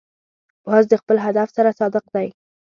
باز د خپل هدف سره صادق دی